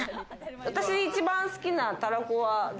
私一番好きなたらこは？